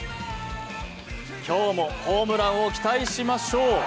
今日もホームランを期待しましょう。